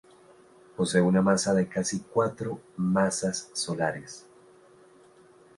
Posee una masa de casi cuatro masas solares.